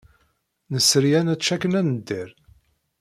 Nesri ad nečč akken ad nedder.